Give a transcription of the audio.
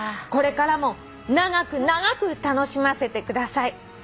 「これからも長く長く楽しませてください」